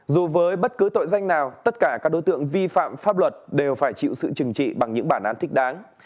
dù với bất cứ tội danh nào tất cả các đối tượng vi phạm pháp luật đều phải chịu sự trừng trị bằng những bản án thích đáng